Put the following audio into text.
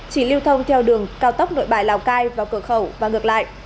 chỉ lưu thông theo đường cao tốc nội bài lào cai vào cửa khẩu và ngược lại